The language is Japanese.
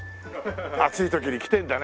暑い時に来てるんだね